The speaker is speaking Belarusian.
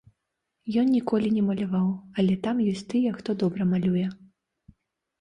Ён ніколі не маляваў, але там ёсць тыя, хто добра малюе.